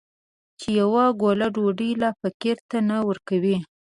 چې يوه ګوله ډوډۍ لا فقير ته نه ورکوي.